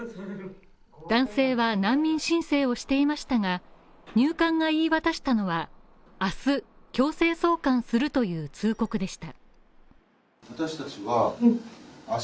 男性は難民申請をしていましたが、入管が言い渡したのは、明日、強制送還するという通告でした。